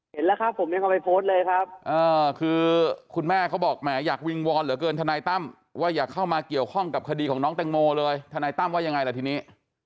เห็นแล้วครับผมเนี่ยเขาไปโพสต์เลยครับคือคุณแม่เขาบอกแหมอยากวิงวอนเหลือเกินทนายตั้มว่าอย่าเข้ามาเกี่ยวข้องกับคดีของน้องแตงโมเลยทนายตั้มว่ายังไงล่ะทีนี้